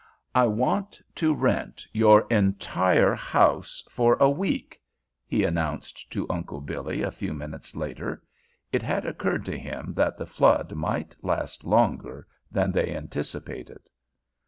"I want to rent your entire house for a week," he announced to Uncle Billy a few minutes later. It had occurred to him that the flood might last longer than they anticipated.